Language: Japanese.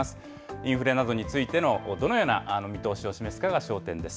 インフレなどについてのどのような見通しを示すかが焦点です。